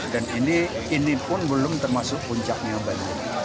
dan ini pun belum termasuk puncaknya banjir